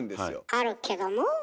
あるけども？